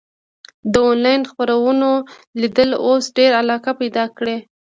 د انلاین خپرونو لیدل اوس ډېره علاقه پیدا کړې.